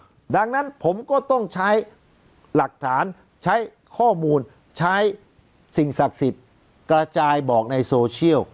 เพราะฉะนั้นผมก็ต้องใช้หลักฐานใช้ข้อมูลใช้สิ่งศักดิ์สิทธิ์กระจายบอกในโซเชียล